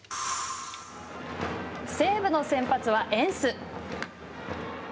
西武の先発はエンス。